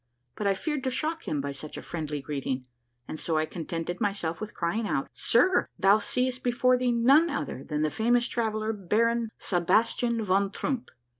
But I feared to shock him by such a friendly greet ing, and so I contented myself with crying out, —" Sir, thou seest before thee none other than the famous trav 222 A MARVELLOUS UNDERGROUND JOURNEY eller, Baron Sebastian vonTroomp